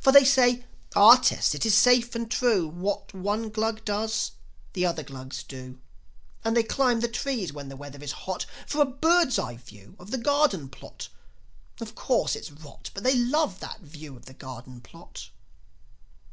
For they say, "Our test, it is safe and true; What one Glug does, the other Glugs do; And they climb the trees when the weather is hot, For a birds' eye view of the garden plot. Of course, it's rot, But they love that view of the garden plot."